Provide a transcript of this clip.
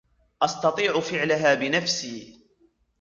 أستطيع فعلها بنفسي.